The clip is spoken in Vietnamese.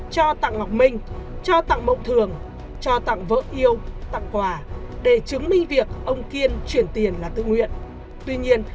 cho tặng ngọc minh cho tặng mộng thường cho tặng vợ yêu tặng quà để chứng minh việc ông kiên chuyển tiền là tự nguyện